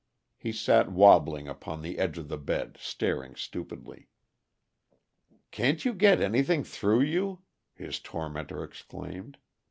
He sat wobbling upon the edge of the bed, staring stupidly. "Can't you get anything through you?" his tormentor exclaimed.